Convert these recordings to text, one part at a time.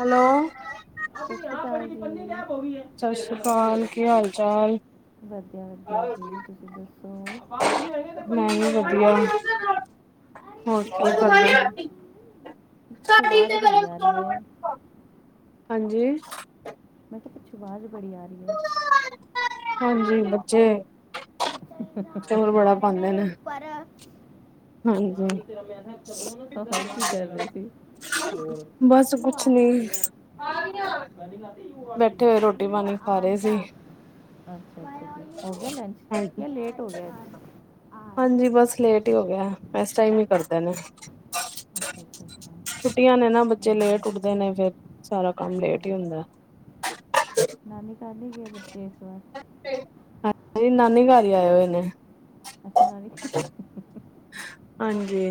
Hello, Sat Sri Akal ji, Sat Sri ਅਕਾਲ, ਕੀ ਹਾਲ ਚਾਲ? ਵਧੀਆ ਵਧੀਆਂ ਜੀ, ਤੁਸੀਂ ਦੱਸੋ? ਮੈਂ ਵੀ ਵਧੀਆ। ਹੋਰ ਕਰਦੇ ਸੀ? ਕੀ ਪਿੱਛੋਂ ਆਵਾਜ਼ ਬੜੀ ਆ ਰਹੀ ਕਰਦੇ? ਹੈ। ਹਾਂਜੀ, ਮੈਂਰੇ ਤਾਂ ਪਿੱਛੇ ਵਾਜ਼ ਬੜੀ ਆ ਰੀ ਐ। ਹਾਂਜੀ ਬੱਚੇ ਸ਼ੋਰ ਬੜਾ ਘਰ ਪਾਉਂਦੇ ਮੇਰੇ ਨੇ, ਉੱਪਰ ਹਾਂਜੀ। ਪਤਾ ਨੀ ਕੀ ਕਰ ਰਹੇ ਸੀ। ਬਸ ਕੁਛ ਨੀ, ਬੈਠੇ ਹੋਏ ਰੋਟੀ ਪਾਣੀ ਖਾ ਰਹੇ ਸੀ। [inaudible] ਅੱਛਾ ਅੱਛਾ ਹੋ ਗਿਆ ਲੰਚ? ਹਾਂਜੀ। ਨਈ ਲੇਟ ਹੋ ਗਿਆ। ਹਾਂਜੀ ਬਸ ਲੇਟ ਈ ਹੋ ਗਿਆ ਇਸ ਟਾਈਮ ਈ ਕਰਦੇ ਨੇ। [inaudible] ਛੁੱਟੀਆਂ ਨੇ ਨਾ ਬੱਚੇ ਹਮ, ਲੇਟ ਉੱਠਦੇ ਨੇ ਫੇਰ ਸਾਰਾ ਕੰਮ ਹਾਂ। ਲੇਟ ਈ ਹੁੰਦਾ। ਨਾਨੀ ਘਰ ਨੀ ਗਏ ਬੱਚੇ ਇਸ ਵਾਰ ਹਾਜੀ ਉਹ ਨਾਨੀ ਘਰ ਗਏ ਹੋਏ ਨੇ, ਸੁਣਾਓ? [inaudible] ਹਾਂਜੀ,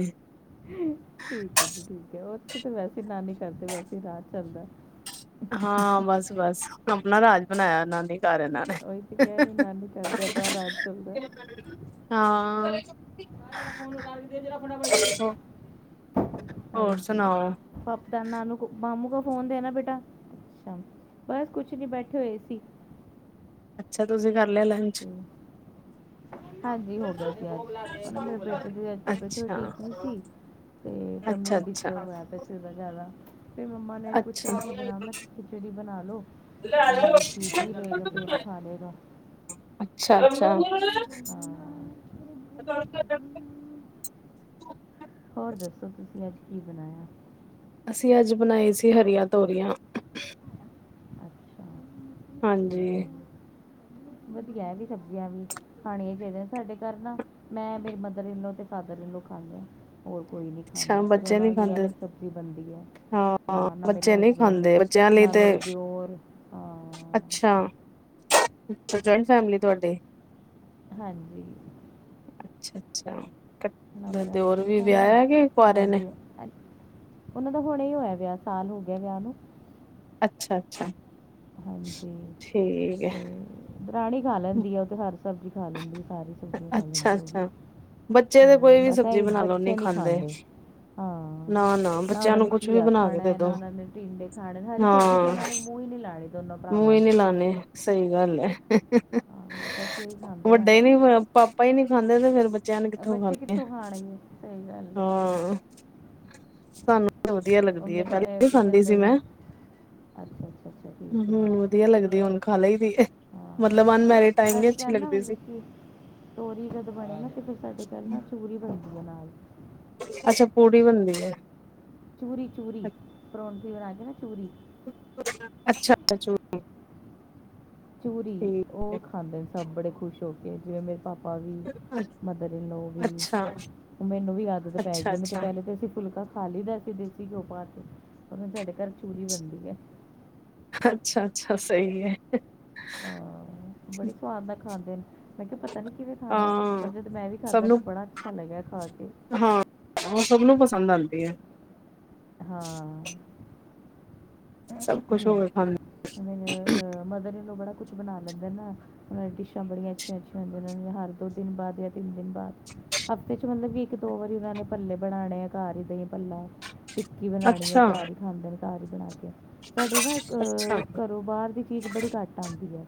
ਠੀਕ ਐ ਜੀ ਠੀਕ ਐ ਉੱਥੇ ਤਾਂ ਵੈਸੇ ਨਾਨੀ ਕਰਦੇ ਵੈਸੇ ਈ ਰਾਜ ਚੱਲਦਾ। ਹਾਂ ਬਸ ਬਸ ਆਪਣਾ ਰਾਜ ਬਣਾਇਆ ਉਹਨਾਂ ਦੇ ਘਰ ਨਾਲ ਉਹੀ ਤੇ ਕਹਿ ਰਹੇ, ਨਾਨੀ ਘਰ ਤੇ ਆਪਣਾ ਰਾਜ ਚੱਲਦਾ। ਹਾਂ। ਭਾਈ ਹਾਂਜੀ। ਹੋਰ ਸੁਣਾਓ [inaudible] ਬਸ ਕੁਛ ਨੀ ਬੈਠੇ ਹੋਏ ਸੀ। ਅੱਛਾ, ਤੁਸੀਂ ਕਰ ਲਿਆ ਲੰਚ? ਤੇ ਹਾਂਜੀ ਹੋ ਗਿਆ ਸੀ, ਅੱਜ ਓ ਨਾ ਮੇਰੇ ਬੇਟੇ ਦੀ ਅੱਜ ਤਬੀਅਤ ਥੋੜੀ ਅੱਛਾ ਠੀਕ ਨੀ ਸੀ। ਤੇ ਟਮੀ ਅੱਛਾ ਵੀ ਅੱਛਾ ਡਿਸਟਰਬ ਹੋਇਆ ਪਿਆ ਸੀ, ਬੋ ਜ਼ਿਆਦਾ ਫੇ ਮੰਮਾ ਨੇ ਪੁੱਛਿਆ ਅੱਛਾ ਕੀ ਬਣਾਵਾ? ਮੈਂ ਖਿਚੜੀ ਬਣਾਲੋ। ਠੀਕ ਵੀ ਰਹੇਗਾ ਪੇਟ, ਖਾਲੇਗਾ। ਅੱਛਾ-ਅੱਛਾ। ਹਾਂ ਹੋਰ ਦੱਸੋ, ਤੁਸੀਂ ਅੱਜ ਕੀ ਬਣਾਇਆ? ਅਸੀਂ ਅੱਜ ਬਣਾਈ ਸੀ, ਹਰੀਆਂ-ਤੋਰੀਆਂ। ਅੱਛਾ ਹਾਂਜੀ। ਵਦੀਆ ਆ ਵੀ ਸਬਜ਼ੀਆਂ ਵੀ। ਖਾਣੀਆਂ ਚਾਈਦੀਆਂ, ਸਾਡੇ ਘਰ ਨਾ ਮੈਂ ਮੇਰੀ ਮਦਰ‌ ਇਨ ਲੋਂ ਤੇ ਫਾਦਰ ਇਨ ਲੋਂ ਖਾਂਣੇ ਆਂ। ਹੋਰ ਕੋਈ ਨੀ ਖਾਂਦਾ, ਅੱਛਾ ਫੇਰ ਬੱਚੇ ਨੀ ਉਨਾਂ ਦੀ ਖਾਂਦੇ ਅਲੱਗ ਸਬਜ਼ੀ ਬਣਦੀ ਐ। ਹਾਂ ਨਾ ਮੇਰੇ ਬੱਚੇ ਨਹੀਂ ਹਸਬੈਂਡ, ਖਾਂਦੇ ਨਾ ਮੇਰੇ ਦਿਓਰ ਹਾਂ। ਅੱਛਾ-ਅੱਛਾ, ਜੁਆਇੰਟ ਫੈਮਲੀ ਤੁਹਾਡੀ? ਹਾਂਜੀ। ਅੱਛਾ-ਅੱਛਾ, ਦਿਓਰ ਵੀ ਵਿਆਹਿਆ ਏ। ਉਨ੍ਹਾ ਦੀ ਉਨ੍ਹਾ ਦਾ ਹੁਣੇ ਹੀ ਹੋਇਆ ਵਿਆਹ, ਸਾਲ ਹੋ ਗਿਆ ਵਿਆਹ ਨੂੰ। ਅੱਛਾ-ਅੱਛਾ। ਹਾਂਜੀ, ਹੈ ਤੇ ਦਰਾਣੀ ਖਾ ਲੈਂਦੀ ਆ ਓ ਤਾਂ ਹਰ ਸਬਜ਼ੀ ਖਾ ਲੈਂਦੇ, ਸਾਰੀ ਸਬਜ਼ੀਆਂ ਖਾ ਅੱਛਾ ਲੈਂਦੇ ਓ ਵੀ ਅੱਛਾ ਬੱਚੇ ਤੇ ਹਾਂ, ਕੋਈ ਵੀ ਬਸ ਏ ਸਬਜ਼ੀ ਈ ਬਣਾ ਲੋ ਨਹੀਂ ਬੱਚੇ ਨੀ ਖਾਂਦੇ। ਹਾਂ, ਨਾ ਨਾ ਬੱਚਿਆਂ ਏਨਾ ਨੂੰ ਨੇ ਕੁਛ ਵੀ ਘੀਆ ਬਣਾ ਕੇ ਖਾਣਾ, ਦੇ ਦੋ ਨਾ ਏਨਾਂ ਨੇ ਟੀਂਡੇ ਖਾਣੇ ਹਰੀ ਸਬਜ਼ੀ ਤੇ ਏਨਾਂ ਨੇ ਮੂੰ ਈ ਨੀ ਲਾਣੇ ਮੂੰ ਈ ਨੀ ਲਾਂਣੇ, ਸਈ ਗੱਲ ਐ। [inaudible] ਆ ਵੱਡੇ ਈ ਨੀ, ਪਾਪਾ ਈ ਨੀ ਖਾਂਦੇ ਤੇ ਫੇਰ ਬੱਚਿਆਂ ਨੇ ਬੱਚੇ ਖਾਣੇ ਕਿੱਥੋਂ ਖਾਣਗੇ, ਸਹੀ ਗੱਲ ਐ ਹਾਂ ਸਾਨੂੰ ਵਦੀਆ ਉਹ ਲੱਗਦੀ ਐ, ਮੇਰੇ ਇਹ ਪੈਲੀ ਕੀ ਖਾਂਦੀ ਸੀ ਕਹਿੰਦੇ ਨੇ ਮੈਂ ਅੱਛਾ, ਅੱਛਾ, ਅੱਛਾ। ਠੀਕ ਹੈ ਹੂੰ, ਵਧੀਆ ਲੱਗਦੀ ਹੁਣ ਖਾ ਲਈ ਦੀ ਏ, ਹਾਂ ਮਤਲਬ ਅਨਮੈਰਿਡ ਟੈਮ ਨੀ ਸਾਡੇ ਅੱਛੀ ਘਰ ਨਾ ਲੱਗਦੀ ਸੀ। ਮਤਲਬ ਕਿ ਤੋਰੀ ਜਦ ਬਣੇ ਨਾ ਤੇ ਫੇਰ ਸਾਡੇ ਘਰ ਨਾ ਪੂਰੀ ਬਣਦੀ ਆ ਨਾਲ ਅੱਛਾ, ਪੂੜੀ ਬਣਦੀ ਐ। ਚੂਰੀ-ਚੂਰੀ, ਪਰੋਠੀ ਬਣਾ ਕੇ ਨਾ ਚੂਰੀ ਅੱਛਾ, ਚੂਰੀ। ਚੂਰੀ, ਓ ਖਾਂਦੇ ਨੇ ਸਭ ਬੜੇ ਖੁਸ਼ ਹੋ ਕੇ, ਜਿਵੇਂ ਮੇਰੇ ਪਾਪਾ ਵੀ ਹੈ, ਮਦਰ ਇਨ ਲੋ ਵੀ, ਅੱਛਾ ਮੈਨੂੰ ਵੀ ਆਦਤ ਅੱਛਾ ਪੈਗੀ ਨਈ ਤੇ ਅੱਛਾ ਪੈਲੇ ਤੇ ਅਸੀਂ ਫੁਲਕਾ ਖਾ ਲਈ ਦਾ ਸੀ ਦੇਸੀ ਘਿਓ ਪਾ ਕੇ, ਪਰ ਹੁਣ ਸਾਡੇ ਘਰ ਚੂਰੀ ਬਣਦੀ ਐ। ਅੱਛਾ-ਅੱਛਾ, ਸਈ ਐ। ਹਾਂ, ਬੜੇ ਸਵਾਦ ਨਾ ਖਾਂਦੇ ਨੇ ਮੈਂ ਕਿਆ ਪਤਾ ਨੀ ਕਿਵੇਂ ਖਾਂਦੇ, ਹਾਂ ਪਰ ਜਦ ਮੈਂ ਵੀ ਸਭ ਖਾਦਾ ਨੂੰ ਨਾ ਬੜਾ ਅੱਛਾ ਲੱਗਿਆ ਖਾ ਕੇ ਹਾਂ ਉਹ ਸਭ ਨੂੰ ਪਸੰਦ ਆਉਂਦੀ ਏ ਹਾਂ ਸਭ ਖੁਸ਼ ਹੋ ਕੇ ਖਾਂਦੇ ਅ ਮਦਰ ਇਨ ਲੌ ਬੜਾ ਕੁਛ ਬਣਾ ਲੈਂਦੇ ਨਾ ਉਹ ਡਿਸ਼ਾਂ ਬੜੀਆਂ ਅੱਛੀਆਂ-ਅੱਛੀਆਂ ਹੁੰਦੀਆਂ ਉਹਨਾਂ ਦੀਆਂ ਹਰ ਦੋ ਦਿਨ ਬਾਅਦ ਜਾਂ ਤਿੰਨ ਦਿਨ ਬਾਅਦ ਹਫ਼ਤੇ ਚ' ਮਤਲਬ ਕਿ ਇੱਕ ਦੋ ਵਾਰੀ ਉਹਨਾ ਨੇ ਭੱਲੇ ਬਣਾਉਣੇ ਆ ਘਰ ਹੀ ਭੱਲਾ ਟਿੱਕੀ ਬਣਾਉਣੀ ਹੈ ਅੱਛਾ ਘਰ ਹੀ ਖਾਂਦੇ ਨੇ ਘਰ ਹੀ ਬਣਾ ਕੇ ਸਾਡੇ ਨਾ ਅੱਛਾ ਘਰੋਂ ਬਾਹਰ ਦੀ ਚੀਜ਼ ਬੜੀ ਘੱਟ ਆਉਂਦੀ ਹੈ।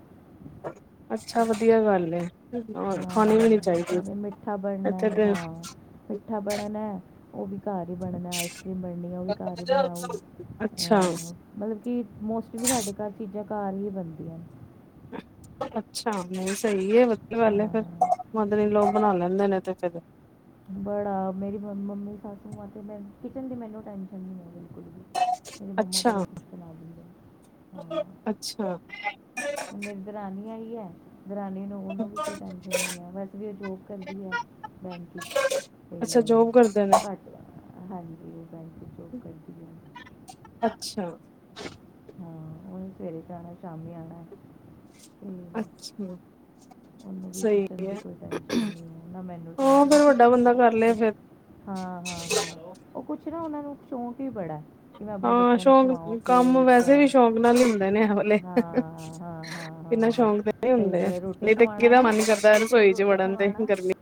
ਅੱਛਾ ਵਧੀਆ ਗੱਲ ਏ ਨਾਲ ਖਾਣੀ ਵੀ ਨੀ ਚਾਹੀਦੀ ਇੱਥੇ ਫੇਰ ਮਿੱਠਾ ਬਣਾਣਾ ਉਹ ਵੀ ਘਰ ਹੀ ਬਣਨਾ ਆਈਸਕ੍ਰੀਮ ਬਣਨੀ ਆ ਉਹ ਵੀ ਘਰ ਹੀ ਬਣਾਉ ਅੱਛਾ ਅ ਮਤਲਬ ਕਿ ਮੋਸਟਲੀ ਸਾਡੇ ਘਰ ਚੀਜ਼ਾਂ ਘਰ ਹੀ ਬਣਦੀਆਂ ਨੇ ਅੱਛਾ ਨਹੀਂ ਸਹੀ ਹੈ ਏ ਵਧੀਆ ਗੱਲ ਏ ਫਿਰ ਮਦਰ ਇਨ ਲੋ ਬਣਾ ਲੈਂਦੇ ਨੇ ਤੇ ਫਿਰ ਬੜਾ ਮੇਰੀ ਮੰਮੀ ਸੱਸੂ ਮਾਂ ਤੇ ਮੈਂ ਕਿਚਨ ਦੀ ਮੈਨੂੰ ਟੈਂਸ਼ਨ ਨਹੀਂ ਹੈ ਬਿਲਕੁਲ ਵੀ ਮੇਰੀ ਮੰਮਾ ਅੱਛਾ ਬੜੇ ਕੁਛ ਬਣਾ ਦਿੰਦੇ ਨੇ ਹਾਂ ਅੱਛਾ ਮੇਰੀ ਦਰਾਨੀ ਆਈ ਏ ਦਰਾਨੀ ਨੂੰ ਨੂੰ ਵੀ ਕੋਈ ਟੈਨਸ਼ਨ ਨਹੀਂ ਹੈ ਵੈਸ ਵੀ ਉਹ ਜੋਬ ਕਰਦੀ ਹੈ ਬੈਂਕ ਵਿਚ ਅੱਛਾ ਜੋਬ ਕਰਦੇ ਨੇ ਅਤੇ ਘੱਟ ਹਾਂਜੀ ਉਹ ਬੈਂਕ ਵਿਚ ਜੋਬ ਕਰਦੀ ਏ ਅੱਛਾ ਹਾਂ ਉਨੇ ਸਵੇਰੇ ਜਾਣਾ ਸ਼ਾਮੀ ਆਣਾ [unintelligible] ਉਹਨੂੰ ਵੀ ਸਹੀ ਕਿਚਨ ਦੀ ਹੈ ਕੋਈ ਟੈਨਸ਼ਨ ਨਹੀਂ ਹ ਨਾ ਮੈਨੂੰ ਹਾਂ ਟੈਂਸ਼ਨ ਏ ਫਿਰ ਵੱਡਾ ਕਿਚਨ ਦੀ ਬੰਦਾ ਕਰ ਲਏ ਸੱਚੀ ਫਿਰ ਹਾਂ-ਹਾਂ-ਹਾਂ ਉਹ ਕੁਛ ਨਾ ਉਹਨਾਂ ਨੂੰ ਸ਼ੋਕ ਹੀ ਬੜਾ ਏ ਹਾਂ ਸ਼ੌਕ ਕੰਮ ਵੈਸੇ ਵੀ ਸ਼ੌਕ ਨਾਲ ਹੀ ਹੁੰਦੇ ਨੇ ਇਹ ਵਾਲੇ ਹਾਂ ਹਾਂ ਹਾਂ ਹਾਂ ਇੰਨਾ ਹਾਂ ਸ਼ੌਂਕ ਨਹੀਂ ਸਹੀ ਹੁੰਦੇ ਗੱਲ ਹੈ ਰੋਟੀ ਨਹੀਂ ਤਾਂ ਖਵਾਉਣਾ ਕਿਹਦਾ ਨਾ ਮਨ ਹੀ ਕਰਦਾ ਰਸੋਈ ਚ' ਵੜਨ ਤੇ ਗਰਮੀ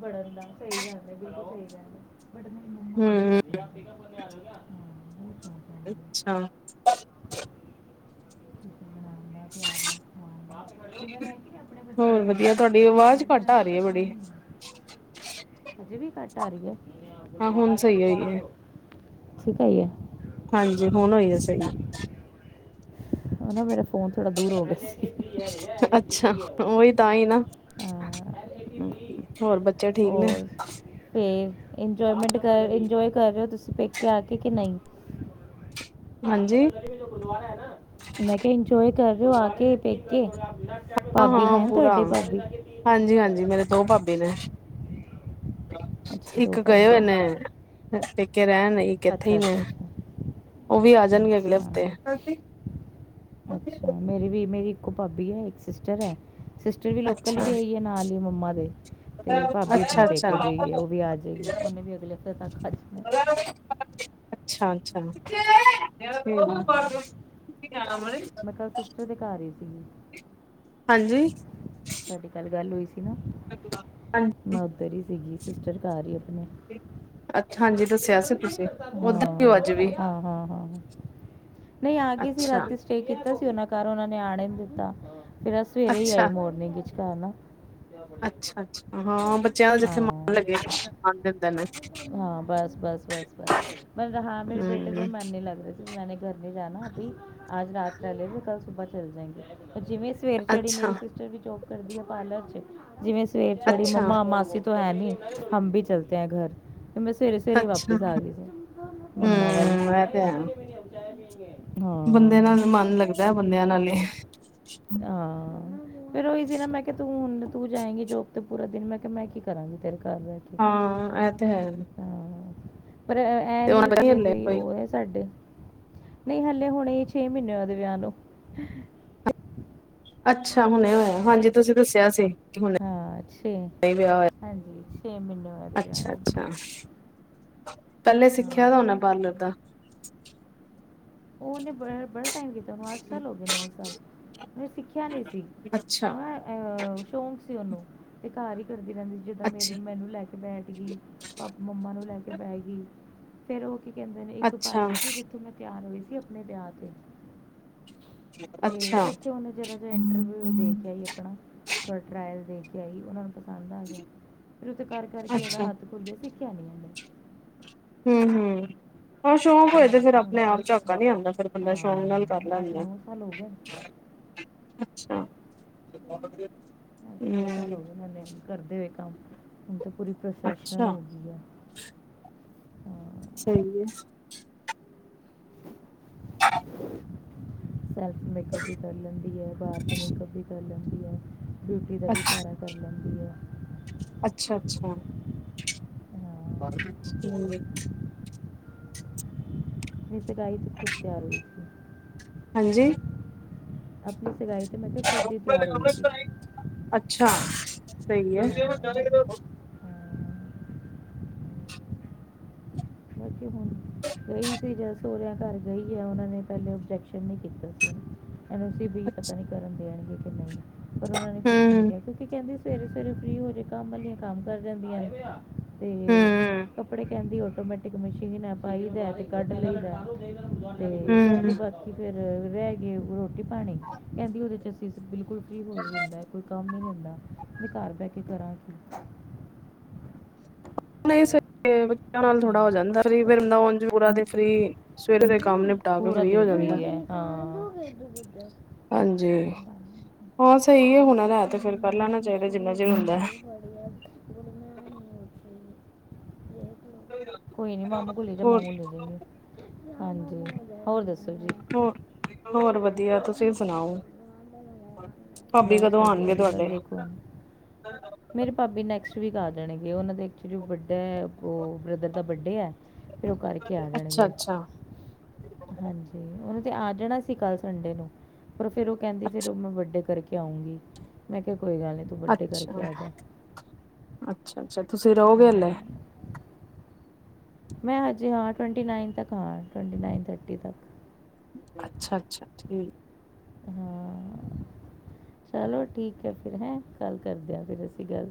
ਵੜਨ ਦਾ ਸਹੀ ਗੱਲ ਏ ਬਿਲਕੁਲ ਸਹੀ ਕਹਿੰਦੇ ਬਟ ਮੇਰੀ ਮੰਮਾ ਨੂੰ ਬਹੁਤ ਹੂੰ ਵਧ ਸੀਗਾ ਬਹੁਤ ਹੈ ਅੱਛਾ ਤੂੰ ਬਣਾ ਮੈ ਪਿਆਰ ਨਾਲ ਖਵਾਉਂਦੇ [unintelligible] ਆਪਣੇ ਬੱਚਿਆਂ ਹੋਰ ਨੂੰ ਵਧੀਆ ਤੁਹਾਡੀ ਹੁਨ ਆਵਾਜ਼ ਬੋਲਦੀ ਘੱਟ ਆ ਆਗੀ ਰਹੀ ਤੇ ਹੈ ਤਾਂ ਬੜੀ ਵੀ ਆ ਹਜੇ ਵੀ ਘੱਟ ਆ ਰਹੀ ਐ ਹਾਂ ਹੁਣ ਸਹੀ ਹੋਈ ਹੈ ਠੀਕ ਆਈ ਏ ਹਾਂਜੀ ਹੁਣ ਹੋਈ ਆ ਸਈ ਉਹ ਨਾ ਮੇਰਾਂ ਫੋਨ ਥੋੜਾ ਦੂਰ ਹੋ ਗਏ ਸੀ ਅੱਛਾ ਉਹੀ ਤਾਂ ਹੀ ਨਾ ਹਾਂ ਹੋਰ ਬੱਚੇ ਠੀਕ ਨੇ ਫੇਰ ਇੰਜੋਏਮੈਂਟ ਕਰ ਇੰਜੋਏ ਕਰ ਰਹੇ ਹੋ ਤੁਸੀਂ ਪੇ ਕੇ ਆ ਕੇ ਕਿ ਨਹੀਂ ਹਾਂਜੀ ਮੈਂ ਕਿਹਾ ਇੰਜੋਏ ਕਰ ਰਹੇ ਔ ਆ ਕੇ ਪੇਕੇ ਹਾਂ ਭਾਬੀ ਹਾਂ ਹੈਨ ਪੂਰਾ ਤੁਹਾਡੇ ਭਾਬੀ ਹਾਂਜੀ- ਹਾਂਜੀ ਮੇਰੇ ਦੋ ਭਾਬੀ ਨੇ ਅੱਛਾ ਦੋ ਇੱਕ ਗਏ ਹੋਏ ਭਾਬੀਆਂ ਨੇ ਪੇਕੇ ਰਹਿਣ ਇਕ ਐਥੇ ਅੱਛਾ ਨੇ ਅੱਛਾ ਅੱਛਾ ਉਹ ਵੀ ਆ ਜਾਣਗੇ ਅਗਲੇ ਹਫ਼ਤੇ ਅੱਛਾ ਅੱਛਾ ਮੇਰੀ ਵੀ ਮੇਰੀ ਇੱਕੋ ਭਾਬੀ ਐ ਇੱਕ ਸਿਸਟਰ ਐ। ਸਿਸਟਰ ਵੀ ਲੋਕਲ ਈ ਅੱਛਾ ਵਿਆਹੀ ਏ ਨਾਲ ਹੀ ਮੰਮਾ ਦੇ ਤੇ ਭਾਬੀ, ਆਪਣੇ ਅੱਛਾ ਪੇਕੇ ਅੱਛਾ ਗਈ, ਉਹ ਵੀ ਆ ਜਾਏਗੀ, ਉਹਨੇ ਵੀ ਅਗਲੇ ਹਫ਼ਤੇ, ਤੱਕ ਅੱਜ ਮ [inaudible] ਅੱਛਾ -ਅੱਛਾ ਹਾਂ ਮੈਂ ਕੱਲ੍ਹ, ਸਿਸਟਰ ਦੇ ਘਰ ਹੀ ਸੀਗੀ, ਤਾਡੀ ਪਹਿਲੇ ਗੱਲ ਹੋਈ ਸੀ ਨਾ, ਹਾਂਜੀ ਮੈਂ ਉੱਧਰ ਹੀ ਸੀਗੀ ਸਿਸਟਰ, ਘਰ ਹੀ ਆਪਣੇ ਅੱਛਾ ਹਾਂਜੀ ਦੱਸਿਆ ਸੀ ਤੁਸੀਂ ਓਦਾਂ ਹੀ ਹੋ ਅੱਜ ਵੀ ਹਾਂ-ਹਾਂ ਹਾਂ-ਹਾਂ ਨਹੀਂ, ਆ ਗਏ ਸੀ ਅੱਛਾ ਰਾਤੀ ਅ ਠੀਕ ਕੀਤਾ ਸੀ। ਉਹਨਾਂ ਘਾਰ ਉਹਨਾਂ ਨੇ ਆਣ ਨਈ ਦਿੱਤਾ, ਫੇਰ ਅ ਸਵੇਰੇ ਹੀ ਅੱਛਾ ਆਏ, ਮੋਰਨਿੰਗ ਵਿੱਚ ਚੈਨਾ, ਅੱਛਾ- ਅੱਛਾ ਹਾਂ ਬੱਚਿਆਂ ਦਾ ਜਿੱਥੇ ਮਨ, ਲੱਗੇ ਦਿੰਦੇ ਨੇ ਹਾਂ, ਬਸ, ਬਸ, ਬਸ, ਬਸ ਮਤਲਬ ਹਾਂ ਮੇਰੇ ਬੇਟੇ, ਦਾ ਹੂੰ ਹੀ ਮਨ ਨਈ ਲੱਗ ਰਿਹਾ ਸ ਮੈਂਨੇ, ਗਰ ਨਹੀਂ ਜਾਾਨਾ ਅਭੀ, ਆਜ- ਰਾਤ ਰਹਿ ਕੇ ਕੱਲ, ਸੁਬਾਹ ਚਲੇ ਜਾਏਗੇ ਜਿਵੇਂ ਜਿਵੇਂ ਸਵੇਰ ਚੜੀ, ਮੇਰੀ ਸਿਸਟਰ ਵੀ ਜੋਬ ਕਰਦੀ ਹੈ ਪਾਰਲਰ ਚ, ਜਿਵੇਂ ਸਵੇਰ ਚੜ੍ਹੀ ਮੰਮਾ ਅੱਛਾ-ਅੱਛਾ-ਅੱਛਾ ਮਾਸੀ ਤੋਂ ਹੈ ਨਹੀਂ, ਹਮ ਭੀ ਚਲਤੇ ਹੈ ਗਰ ਤੇ ਮੈਂ ਸਵੇਰੇ- ਸਵੇਰੇ ਵਾਪਿਸ ਆ ਗਈ ਸੀ, ਹੂੰ ਮੰਮਾ ਵੱਲ ਹਾਂ। ਇਹ ਤੇ ਹੈ ਚਾਹ ਬੰਦਿਆ, ਨਾਲ ਏ ਆਾਂ ਫੇਰ ਉਹੀ ਸੀ ਨਾ, ਮੈਂ ਕਿਹਾ ਤੂੰ-ਤੂੰ ਹੁਣ ਤੂੰ ਜਾਏਂਗੀ ਜੋਬ ਤੇ ਪੂਰਾ ਦਿਨ, ਮੈਂ ਕਿਹਾ ਮੈਂ, ਕੀ ਕਰਾਂਗੀ ਤੇਰੇ ਘਰ ਬੈਠ ਕੇ ਹਾਂ, ਐ ਇਹ ਤਾਂ ਹੈ ਪਰ ਐ ਤੇ ਉਹ ਨਈ ਪਤਾ ਕਿ, ਨੀ ਹਲੇ ਵਹਿਲੀ ਕੋਈ ਉਹ ਵੇ ਸਾਡੇ, ਨਹੀਂ ਹਲੇ ਹੁਣੇ ਛੇ ਮਹੀਨੇ ਹੋਏ, ਉਹਦੇ ਵਿਆਹ ਨੂੰ ਅੱਛਾ, ਹੁਣੇ ਹੋਇਆ, ਹਾਂਜੀ ਤੁਸੀਂ ਦੱਸਿਆ ਸੀ। ਕਿ ਹੁਣੇ ਹਾ ਛੇ ਹਾਂਜੀ, ਛੇ ਮਹੀਨੇ ਹੋਏ ਆ ਅੱਛਾ- ਅੱਛਾ ਪਹਿਲੇ ਹਾਂ ਸਿੱਖਿਆ ਦਾ ਹੋਣਾ, ਪਾਰਲਰ ਦਾ ਉਹਨੇ ਬ- ਬੜਾ ਟਾਈਮ ਕੀਤਾ, ਉਹਨੂੰ ਅੱਠ ਸਾਲ ਹੋ ਗਏ, ਨੌ ਸਾਲ ਉਹਨੇ, ਸਿੱਖਿਆ ਨਹੀਂ ਸੀ। ਅੱਛਾ ਉਹ ਅਹ ਸ਼ੌਕ ਤੁਸੀ ਲੇ-ਲੋ ਏ ਘਰ ਈ, ਕਰਦੀ ਰਹਿੰਦੀ ਸੀ। ਜਿੱਦਾਂ ਦੇ ਅੱਛਾ ਮੇਰੇ ਮੈਨੂੰ ਲੈ ਕੇ ਬੈਠ ਗਈ, ਪਾਪਾ- ਮੰਮਾ ਨੂੰ ਲੈ ਕੇ, ਬਹਿ ਗਈ। ਫਿਰ, ਉਹ ਕੀ ਕਹਿੰਦੇ ਨੇ ਇੱਕ ਪਾਰਲਰ ਸੀ। ਜਿੱਥੋਂ ਮੈਂ, ਤਿਆਰ ਹੋਈ ਸੀ। ਆਪਣੇ ਵਿਆਹ 'ਤੇ ਤੇ ਅੱਛਾ-ਅੱਛਾ-ਅੱਛਾ ਉੱਥੇ, ਉਹਨੇ ਜਿਹੜਾ ਇੰਟਰਵਿਊ, ਦੇ ਕੇ ਆਈ ਆਪਣਾ ਥੋੜਾ ਟਰਾਇਲ, ਦੇ ਕੇ ਆਈ ਉਹ ਨੂੰ ਪਸੰਦ ਆ ਗਿਆ, ਫੇਰ ਉਥੇ ਕਰ-ਕਰ ਕੇ ਏਹਦਾ ਹੱਥ ਖੁਲ ਗਿਆ, ਸਿੱਖਿਆ ਨੀ ਇਨੇ ਹੂੰ- ਹੂੰ ਹਾਂ ਸ਼ੌਕ ਹੋਏ ਹਾਂ ਤੇ ਫੇਰ, ਹੁਣ ਆਪਣੇ- ਆਪ ਝਾਕਾ ਨਈ ਆਂਦਾ, ਫੇਰ ਬੰਦਾ ਸ਼ੌਕ ਨਾਲ ਕਰ ਹਾਂ ਲੈਂਦਾ ਸਾਲ ਹੋ ਗਏ ਅੱਛਾ ਅੱਠ- ਨੋ ਹੂੰ ਸਾਲ ਹੋ ਗਏ ਨੇ ਕਰਦੇ ਹੋਏ ਕੰਮ, ਹੁਣ ਤਾਂ ਪੂਰੀ ਅੱਛਾ ਪ੍ਰੋਫੈਸ਼ਨਲ, ਹੋ ਗਈ ਆ ਸਹੀ ਏ ਸੈਲਫ ਮੇਕਅਪ, ਵੀ ਕਰ ਲੈਂਦੀ ਐ, ਬਾਹਰ ਦੇ ਮੇਕਅਪ ਵੀ ਕਰ ਲੈਂਦੀ ਐ, ਡਿਊਟੀ ਦਾ ਵੀ ਸਾਰਾ, ਕਰ ਲੈਂਦੀ ਐ ਅੱਛਾ-ਅੱਛਾ ਹਾਂ ਜਿਹ, ਸਗਾਈ ਤੇ ਖੁਦ, ਤਿਆਰ ਹੋਈ ਹਾਂਜੀ। ਆਪਣੀ ਸਗਾਈ 'ਤੇ, ਮੈਂ ਕਿਹਾ, ਖੁਦ ਹੀ ਤਿਆਰ ਹੋਈ ਸੀ ਅੱਛਾ, ਸਹੀ ਏ ਹਾਂ ਹਾਂ ਬਾਕੀ ਹੁਣ ਗਈ ਸੀ ਜਦ ਸਹੁਰਿਆਂ ਘਰ ਗਈ ਆ ਉਹਨਾਂ ਨੇ ਪਹਿਲੇ ਓਬਜੈਕਸ਼ਨ ਨੀ ਕੀਤਾ ਸੀ ਓਨੂ ਨ ਓ ਸੀ ਵੀ ਪਤਾ ਨਹੀਂ ਕਰਨ ਦੇਣਗੇ ਕਿ ਨਈ ਪਰ ਉਹਨਾਂ ਨੇ ਕੁਛ ਨਈ ਹਮ ਕਿਹਾ ਕਿਉਂਕਿ ਕਹਿੰਦੇ ਸਵੇਰੇ-ਸਵੇਰੇ ਫ੍ਰੀ ਹੋ ਜੇ, ਕੰਮ ਵਾਲੀਆਂ ਕੰਮ ਕਰ ਜਾਂਦੀਆਂ ਨੇ ਤੇ ਹਮ ਕੱਪੜੇ ਕੈਨਦੀ ਆਟੋਮੈਟਿ ਕ ਮਸ਼ੀਨ ਐ ਪਾਈਦਾ ਤੇ ਕੱਢ ਲਈਦਾ ਤੇ ਹਮ ਕਹਿੰਦੀ ਬਾਕੀ ਫੇਰ ਅ ਰਹਿ ਗਏਆ ਰੋਟੀ-ਪਾਣੀ, ਕਹਿੰਦੀ ਉਹਦੇ ਚ ਅੱਸੀ ਬਿਲਕੁਲ ਫ੍ਰੀ ਹੋਈ ਜਾਂਦਾ ਕੋਈ ਕੰਮ ਹੀ ਨੀ ਹੋਦਾ ਨਈ ਘਰ ਬਹਿ ਕੇ ਕਰਾਂ ਕੀ? ਨਈ ਸਾਡੇ ਬੱਚਿਆਂ ਨਾਲ ਤਾਂ ਥੋੜਾ ਹੋ ਜਾਂਦਾ, ਪੀ ਫੇਰ ਨਉਣ 'ਚ ਪੂਰਾ ਦਿਨ ਫ੍ਰੀ ਸਵੇਰੇ ਦੇ ਕੰਮ ਨਿਪਟਾ ਕੇ ਫ੍ਰਰੀ ਹੋ ਜਾਂਦਾ। ਹਾਂਜੀ ਹਾਂ ਸਹੀ ਐ, ਹੁਨਰ ਹੈ ਤੇ ਫੇਰ ਕਰ ਲੈਣਾ ਚਾਹੀਦਾ ਜਿੰਨਾ ਚਿਰ ਹੁੰਦਾ। ਹਾਂਜੀ ਮਾਮੂ ਕੋ ਲੇ ਜਾ ਹੋਰ ਮਾਮੂ ਲੇ ਜਾਇਗੇ, ਹਾਂਜੀ ਹੋਰ ਦੱਸੋ ਜੀ? ਹੋ ਹੋਰ ਵਧੀਆ ਤੁਸੀਂ ਸੁਣਾਓ? ਭਾਬੀ ਬਸ ਕਦੋਂ ਵਧੀਆ ਆਣਗੇ ਜੀ। ਬਸ ਤੁਹਾਡੇ? ਦੇਖੋ ਮੇਰੇ ਭਾਬੀ ਨੈਕਸਟ ਵੀਕ ਆ ਜਾਣਗੇ। ਉਹਨਾਂ ਦੇ ਐਕਚੁਲੀ ਵਡਾ ਉਹ ਬ੍ਰਦਰ ਦਾ ਬਡੇ ਐ। ਫੇਰ ਉਹ ਕਰਕੇ ਆ ਅੱਛਾ ਜਾਂਣਗੇ। [inaudible] ਹਾਂਜੀ ਉਨੇ ਤੇ ਆ ਜਾਣਾ ਸੀ ਕੱਲ ਸੰਡੇ ਨੂੰ ਪਰ ਫੇਰ ਉਹ ਕਹਿੰਦੀ ਫੇਰ ਓਹ ਮੈਂ ਬੱਡੇ ਕਰਕੇ ਆਊਂਗੀ ਮੈਂ ਕਿਹਾ ਕੋਈ ਗੱਲ ਨਈ ਤੂੰ ਬੱਡੇ ਕਰਕੇ ਆ ਜਾ ਅੱਛਾ-ਅੱਛਾ ਤੁਸੀਂ ਰਹੋਗੇ ਹੱਲੇ। ਹਾਂ, ਮੈਂ ਹਜੇ ਹਾਂ ਟਵੰਟੀ ਨਾਈਨ ਤੱਕ ਹਾਂ, ਟਵੰਟੀ ਨਾਈਨ ਥਰਟੀ ਤੱਕ ਅੱਛਾ-ਅੱਛਾ ਠੀਕ ਹਾਂ ਚਲੋ ਠੀਕ ਐ ਫੇਰ ਹੈਂ ਕੱਲ ਕਰਦੇ ਆਂ ਫੇਰ ਅਸੀਂ ਗੱਲ